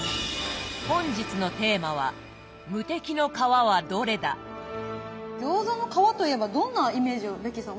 本日のテーマは餃子の皮といえばどんなイメージをベッキーさん